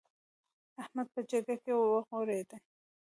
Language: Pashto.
احمد په جرګه کې وغورېد.